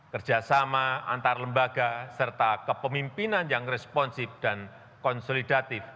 kerjasama antar lembaga serta kepemimpinan yang responsif dan konsolidatif